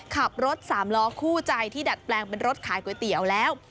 ขับรถสามล้อคู่ใจที่ดัดแปลงเป็นรถขายก๋วยเตี๋ยวแล้ว